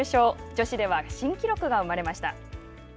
女子では新記録が生まれました。